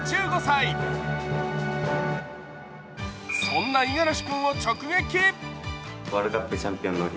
そんな五十嵐君を直撃。